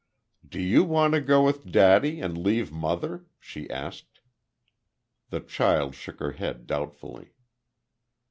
"Do you want to go with daddy and leave mother?" she asked. The child shook her head, doubtfully.